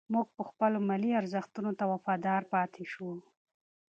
موږ به خپلو ملي ارزښتونو ته وفادار پاتې شو.